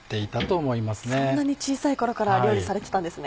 そんなに小さい頃から料理されてたんですね。